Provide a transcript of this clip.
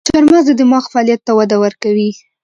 چارمغز د دماغ فعالیت ته وده ورکوي.